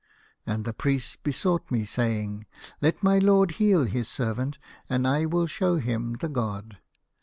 " And the priest besought me, saying, ' Let my lord heal his servant, and I will show him the god.